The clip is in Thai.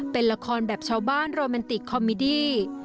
เป็นละครแบบชาวบ้านโรแมนติกคอมมิดี้